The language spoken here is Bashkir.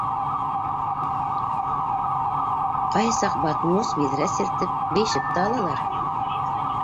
Ҡайһы саҡ батмус, биҙрә сиртеп бейешеп тә алалар.